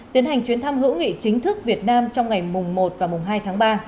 tiến hành chuyến thăm hữu nghị chính thức việt nam trong ngày một và hai tháng ba